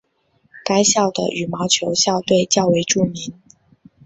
该校的羽毛球校队较为著名。